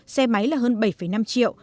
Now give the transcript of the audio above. xe máy là hơn bảy năm triệu